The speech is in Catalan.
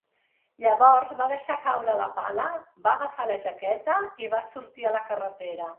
Llavors va deixar caure la pala, va agafar la jaqueta i va sortir a la carretera.